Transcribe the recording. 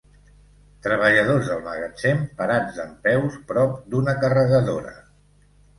Treballadors del magatzem parats dempeus prop d'una carregadora.